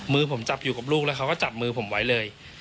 มือผมจับอยู่กับลูกแล้วเขาก็จับมือผมไว้เลย